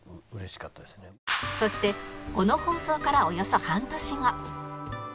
そしてこの放送からおよそ半年後